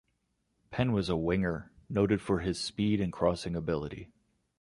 Penn was a winger noted for his speed and crossing ability.